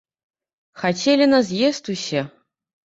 Хацелі на з'езд усе.